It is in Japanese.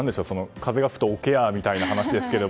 風が吹けば桶屋みたいな話ですけど。